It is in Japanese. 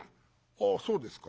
「ああそうですか。